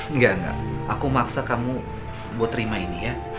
enggak enggak aku maksa kamu buat terima ini ya